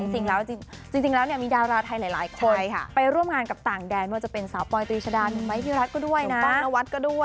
จริงแล้วเนี่ยมีดาราไทยหลายคนไปร่วมงานกับต่างแดนเมื่อจะเป็นสาวปอยตรีชดาหนูไม้พิรัสก็ด้วยนะ